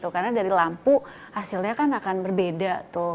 karena dari lampu hasilnya kan akan berbeda